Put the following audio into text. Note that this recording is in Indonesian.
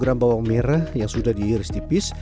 setiap hari lima sepuluh kg bawang merah yang sudah diiris tipis